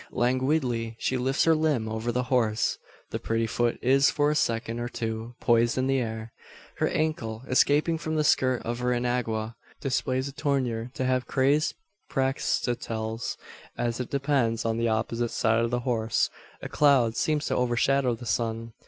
Languidly she lifts her limb over the horse. The pretty foot is for a second or two poised in the air. Her ankle, escaping from the skirt of her enagua, displays a tournure to have crazed Praxiteles. As it descends on the opposite side of the horse, a cloud seems to overshadow the sun.